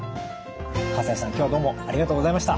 西さん今日はどうもありがとうございました。